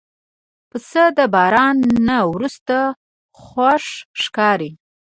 پسه د باران نه وروسته خوښ ښکاري.